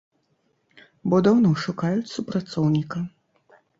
Бо даўно шукаюць супрацоўніка.